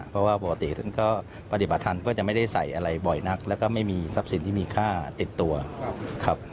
เพราะว่าปกติท่านก็ปฏิบัติธรรมเพื่อจะไม่ได้ใส่อะไรบ่อยนักแล้วก็ไม่มีทรัพย์สินที่มีค่าติดตัวครับ